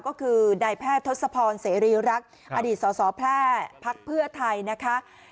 ก็คือนายแพทย์ทศพรเสรีรักษ์อดีตสสแพร่พักเพื่อไทยนะคะ